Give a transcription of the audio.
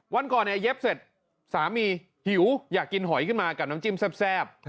วันก่อนเนี่ยเย็บเสร็จสามีหิวอยากกินหอยขึ้นมากับน้ำจิ้มแซ่บ